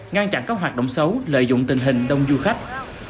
ngăn chặn các hoạt động xấu lợi dụng tình hình đông du khách